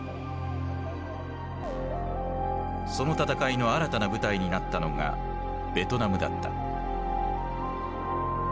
その戦いの新たな舞台になったのがベトナムだった。